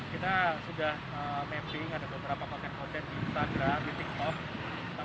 kita sudah mencing ada beberapa konten konten instagram